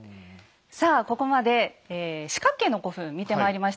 さあここまで四角形の古墳見てまいりました。